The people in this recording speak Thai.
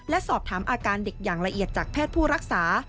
และสอบถามอาการเด็กอย่างละเอียดจากแพทย์ผู้รักษา